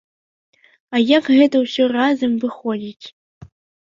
А як гэта ўсё разам выходзіць?